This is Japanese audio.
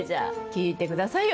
聞いてくださいよ